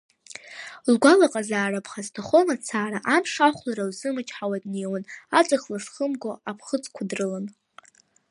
Лгәалаҟазаара ԥхасҭахо мацара, амш ахәлара лзымчҳауа днеиуан, аҵх лызхымго аԥхыӡқәа дрылан.